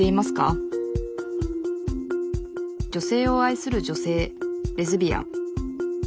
女性を愛する女性レズビアン。